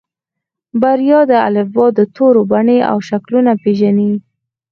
بريا د الفبا د تورو بڼې او شکلونه پېژني.